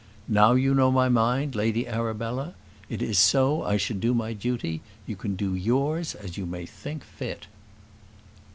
Now you know my mind, Lady Arabella. It is so I should do my duty; you can do yours as you may think fit."